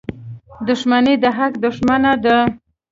• دښمني د حق دښمنه ده.